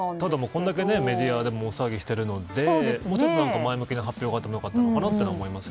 これだけメディアでも大騒ぎしているので前向きな発表があってもよかったのかなと思います。